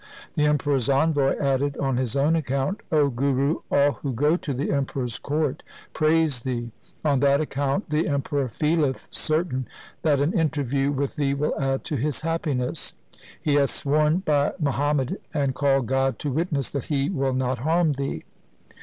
The Emperor's envoy added on his own account, ' O Guru, all who go to the Emperor's court praise thee. On that account the Emperor feeleth certain that an interview with thee will add to his happiness. He hath sworn by Muhammad and called God to witness that he will not harm thee.